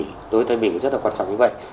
thì đối với thái bình rất là quan trọng như vậy